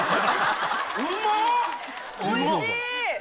おいしい！